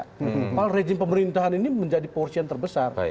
padahal rejim pemerintahan ini menjadi porsi yang terbesar